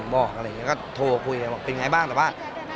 บอกอะไรอย่างนี้ก็โทรคุยกันบอกเป็นไงบ้างแต่ว่า